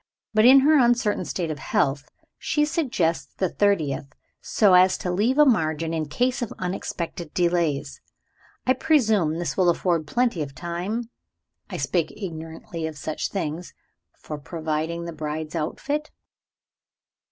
"But in her uncertain state of health, she suggests the thirtieth so as to leave a margin in case of unexpected delays. I presume this will afford plenty of time (I speak ignorantly of such things) for providing the bride's outfit?"